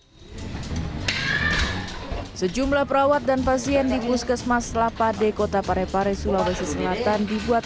hai sejumlah perawat dan pasien di puskesmas lapade kota parepare sulawesi selatan dibuat